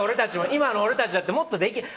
今の俺たちだって、もっとできる。